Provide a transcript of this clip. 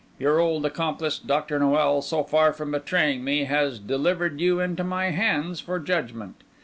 Your old accomplice, Dr. Noel, so far from betraying me, has delivered you into my hands for judgment.